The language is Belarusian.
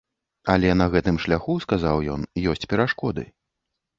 Але на гэтым шляху, сказаў ён, ёсць перашкоды.